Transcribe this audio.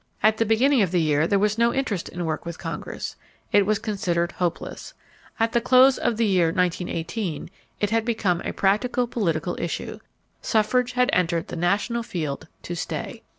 At the beginning of the year there was no interest in work with Congress. It was considered hopeless. At the close of the year 1918 it had become a practical political issue. Suffrage had entered the national field to stay.